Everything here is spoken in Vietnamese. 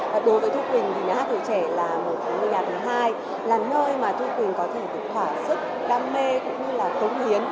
và đối với thu quỳnh thì nhà hát tuổi trẻ là một trong những nhà thứ hai là nơi mà thu quỳnh có thể được hỏa sức đam mê cũng như là cống hiến